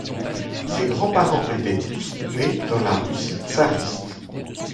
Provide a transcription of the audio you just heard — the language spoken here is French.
Ses grand-parents étaient tous nés dans la Russie tsariste.